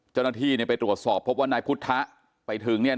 เจ้าหน้าที่ไปตรวจสอบพบว่านายพุทธะไปถึงเนี่ย